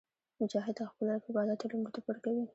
مجاهد د خپل رب عبادت ته لومړیتوب ورکوي.